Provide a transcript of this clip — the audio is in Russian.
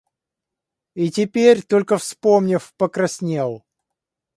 И, теперь только вспомнив, покраснел.